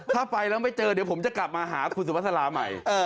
ถ้าไปแล้วไม่เจอเดี๋ยวผมจะกลับมาหาคุณสุภาษาลาใหม่